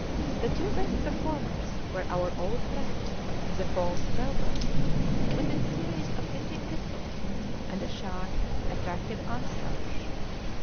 The two best performers were our old friend the false bellbird, with its series of ringing whistles, and a shy, attractive ant thrush.